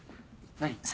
何？